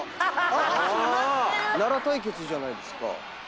奈良対決じゃないですか。